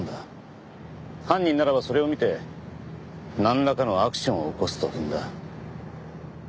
犯人ならばそれを見てなんらかのアクションを起こすと踏んだ。